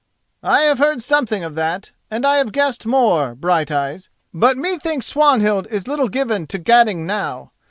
"I have heard something of that, and I have guessed more, Brighteyes; but methinks Swanhild is little given to gadding now.